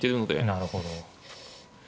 なるほど。